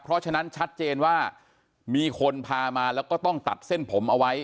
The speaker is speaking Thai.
เพราะฉะนั้นชัดเจนว่ามีคนพามาแล้วก็ต้องตัดเส้นผมเอาไว้